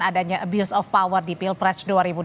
adanya abuse of power di pilpres dua ribu dua puluh